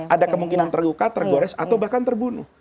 ada kemungkinan terluka tergores atau bahkan terbunuh